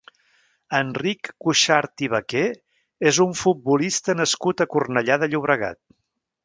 Enric Cuxart i Vaquer és un futbolista nascut a Cornellà de Llobregat.